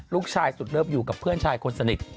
ลูกชายสุดเลิฟอยู่กับเพื่อนชายคนสนิท